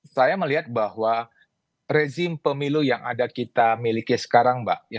saya melihat bahwa rezim pemilu yang ada kita miliki sekarang mbak